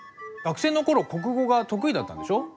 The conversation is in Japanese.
学生の頃国語が得意だったんでしょ？